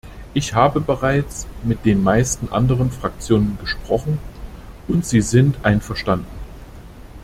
Ich habe bereits mit den meisten anderen Fraktionen gesprochen und sie sind einverstanden.